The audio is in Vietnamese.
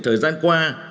thời gian qua